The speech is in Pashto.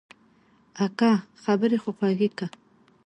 اگه خبرې خو خوږې که.